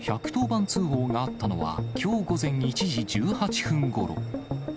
１１０番通報があったのは、きょう午前１時１８分ごろ。